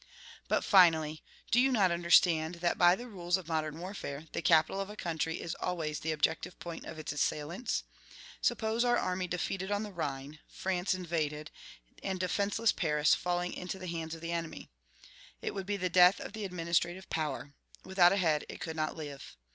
"But, finally, do you not understand that, by the rules of modern warfare, the capital of a country is always the objective point of its assailants? Suppose our army defeated on the Rhine, France invaded, and defenceless Paris falling into the hands of the enemy. It would be the death of the administrative power; without a head it could not live.